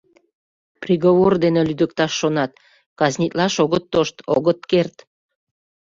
«Приговор дене лӱдыкташ шонат, казнитлаш огыт тошт, огыт керт».